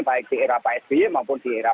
baik di era pak sby maupun di era